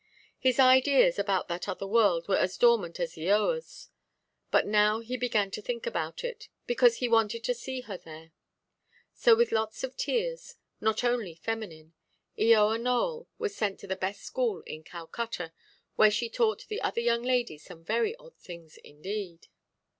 His ideas about that other world were as dormant as Eoaʼs; but now he began to think about it, because he wanted to see her there. So, with lots of tears, not only feminine, Eoa Nowell was sent to the best school in Calcutta, where she taught the other young ladies some very odd things indeed.